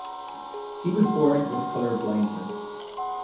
He was born with color blindness.